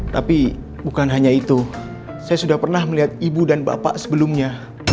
tapi bukan hanya itu saya sudah pernah melihat ibu dan bapak sebelumnya